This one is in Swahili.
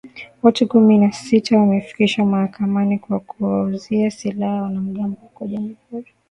Watu kumi na sita wamefikishwa mahakamani kwa kuwauzia silaha wanamgambo huko Jamuhuri ya Demokrasia ya Kongo